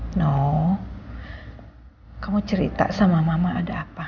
hai no kamu cerita sama mama ada apa